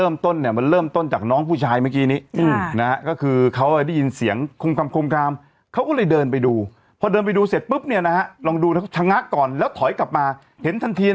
ไม่จัดลงไปหรือมีหมาพิษบูก่อน